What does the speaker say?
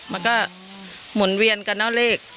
มันก็หมุนเวียนกันเนอะเลข